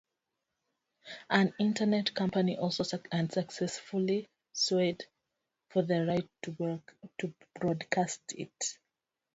An Internet company also unsuccessfully sued for the right to broadcast it.